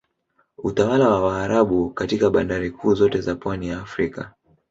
Utawala wa Waarabu katika bandari kuu zote za pwani ya Afrika